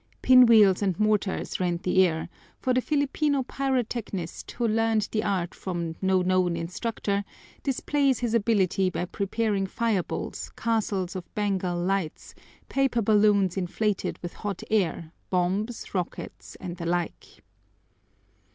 Pin wheels and mortars rend the air, for the Filipino pyrotechnist, who learned the art from no known instructor, displays his ability by preparing fire bulls, castles of Bengal lights, paper balloons inflated with hot air, bombs, rockets, and the like.